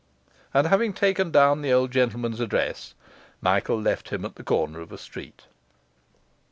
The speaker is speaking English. And having taken down the old gentleman's address, Michael left him at the corner of a street.